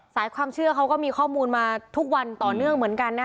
ความเชื่อเขาก็มีข้อมูลมาทุกวันต่อเนื่องเหมือนกันนะ